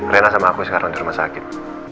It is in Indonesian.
rena sama aku sekarang di rumah sakit